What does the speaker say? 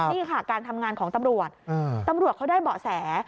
นี่ค่ะการทำงานของตำรวจตำรวจเขาได้เบาะแส